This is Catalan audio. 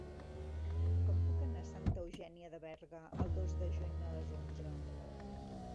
Com puc anar a Santa Eugènia de Berga el dos de juny a les onze?